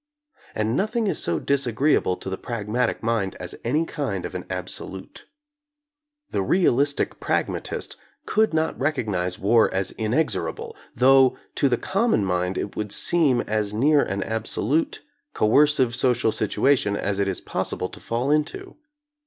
And nothing is so disagreeable to the pragmatic mind as any kind of an absolute. The realistic pragmatist could not recognize war as inexorable — though to the common mind it would seem as near an absolute, coercive social situation as it is possible to fall into.